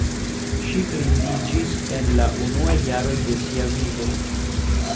Ŝi blindiĝis en la unuaj jaroj de sia vivo.